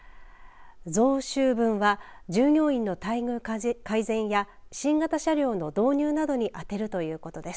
増収分は従業員の待遇改善や新型車両の導入などに充てるということです。